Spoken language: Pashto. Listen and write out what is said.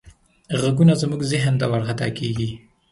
غږونه زموږ ذهن ته ورخطا کېږي.